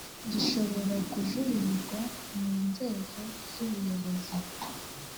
gishobora kujuririrwa mu nzego z ubuyobozi